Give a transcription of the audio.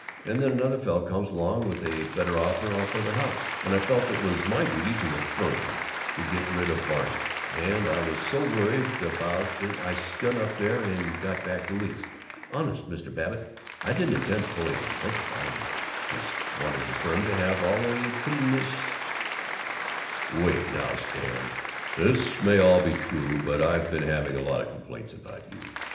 And then another fellow comes along with a better offer for the house, and I felt it was my duty to the firm to get rid of Varney, and I was so worried about it I skun up there and got back the lease. Honest, Mr. Babbitt, I didn't intend to pull anything crooked. I just wanted the firm to have all the commis " "Wait now, Stan. This may all be true, but I've been having a lot of complaints about you.